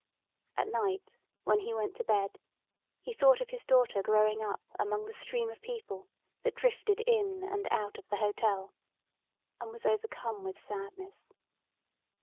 At night when he went to bed he thought of his daughter growing up among the stream of people that drifted in and out of the hotel and was overcome with sadness.